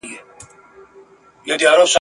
او یقین لرم چي هر چا چي ورسره پېژندل !.